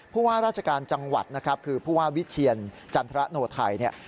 พูดว่าราชการจังหวัดคือพูดว่าวิทยียนจันทรโนไทย